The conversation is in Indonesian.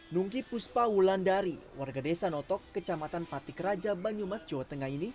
nungki puspa wulandari warga desa notok kecamatan patik raja banyumas jawa tengah ini